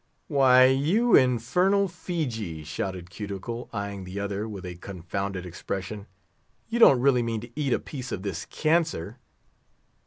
"Why, you infernal Feejee!" shouted Cuticle, eyeing the other with a confounded expression; "you don't really mean to eat a piece of this cancer?"